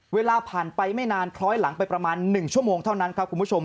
เวลาผ่านไปไม่นานคล้อยหลังไปประมาณ๑ชั่วโมงเท่านั้นครับคุณผู้ชม